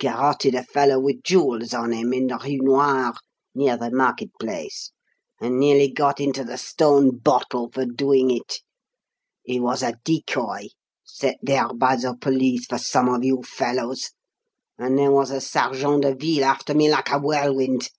Garotted a fellow with jewels on him in the Rue Noir, near the Market Place and nearly got into 'the stone bottle' for doing it. He was a decoy, set there by the police for some of you fellows, and there was a sergeant de ville after me like a whirlwind.